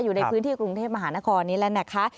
อยู่ในพื้นที่กรุงเทพมหานครนี้แล้วนะคะ